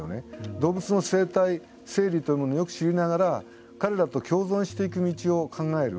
動物の生態、生理というものをよく知りながら彼らと共存して行く道を考える。